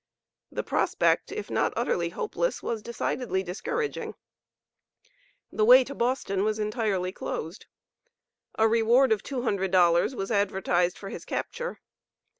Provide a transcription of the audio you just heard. The prospect, if not utterly hopeless, was decidedly discouraging. The way to Boston was entirely closed. A "reward of $200" was advertised for his capture.